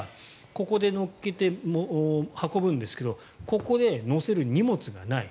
ここで載っけて運ぶんですけどここで載せる荷物がない。